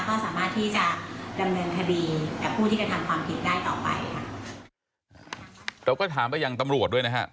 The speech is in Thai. ก็สามารถที่จะดำเนินคดีกับผู้ที่กระทำความผิดได้ต่อไปค่ะเราก็ถามไปยังตำรวจด้วยนะฮะ